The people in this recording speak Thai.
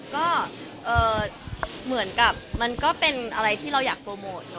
ก็เหมือนกับมันก็เป็นอะไรที่เราอยากโปรโมท